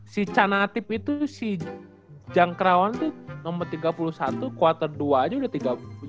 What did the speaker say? si canatip itu si jangkrawan itu nomor tiga puluh satu quarter dua aja udah tiga puluh